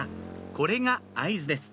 これが合図です